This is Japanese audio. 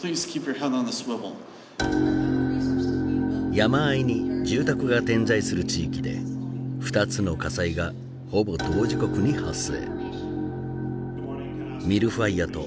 山あいに住宅が点在する地域で２つの火災がほぼ同時刻に発生。